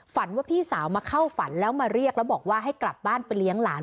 ว่าพี่สาวมาเข้าฝันแล้วมาเรียกแล้วบอกว่าให้กลับบ้านไปเลี้ยงหลาน